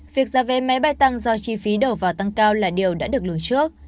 việc giá vé máy bay tăng do chi phí đầu vào tăng cao là điều đã được lường trước